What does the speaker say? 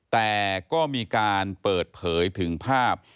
แต่ก็มีการเปิดเผยถึงภาพ